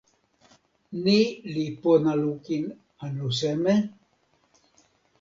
ni li pona lukin anu seme?